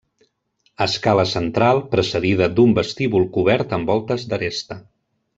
Escala central precedida d'un vestíbul cobert amb voltes d'aresta.